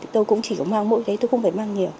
tôi cũng chỉ có mang mỗi cái tôi không phải mang nhiều